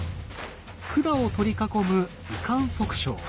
管を取り囲む維管束鞘。